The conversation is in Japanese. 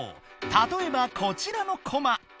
たとえばこちらのコマ。